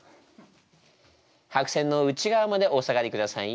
白線の内側までお下がりください。